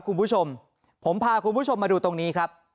คุณผู้ชมผมพาคุณผู้ชมมาดูตรงนี้ครับ